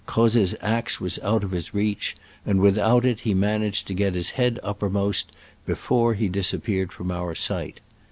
Croz's axe was out of his reachj and without it he managed to get his head uppermost be fore \ic disappeared from our sight.